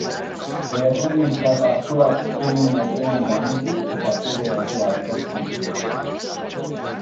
Erruduntzat hartuak denen aurrean damutu eta bere errua aitortzen zuen.